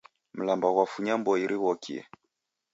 Mlamba ghwafunya mboi righokie.